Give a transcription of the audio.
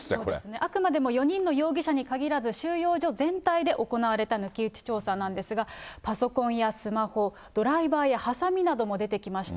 あくまでも４人の容疑者にかぎらず、収容所全体で行われた抜き打ち調査なんですが、パソコンやスマホ、ドライバーやはさみなども出てきました。